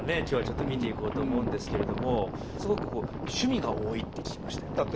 今日はちょっと見ていこうと思うんですけれどもすごくこう趣味が多いって聞きましたよ。